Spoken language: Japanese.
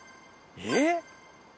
えっ？